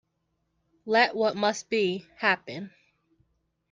Let what must be, happen.